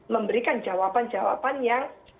memberikan jawaban jawaban yang